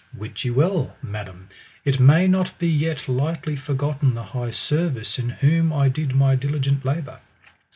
Wit ye well, madam, it may not be yet lightly forgotten the high service in whom I did my diligent labour.